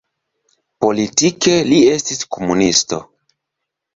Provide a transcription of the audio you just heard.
Politike li estis komunisto.